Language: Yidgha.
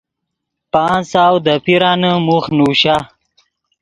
پانچ سو دے پیرانے موخ نوشا۔